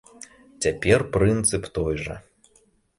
Цяпер прынцып той жа.